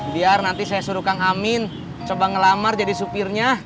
biar nanti saya suruh kang amin coba ngelamar jadi supirnya